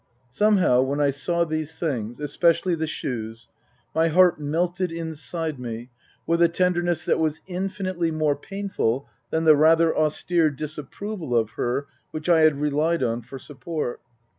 Somehow, when I saw these things especially the shoes my heart melted inside me with a tenderness that was infinitely more painful than the rather austere dis approval of her which I had relied on for support.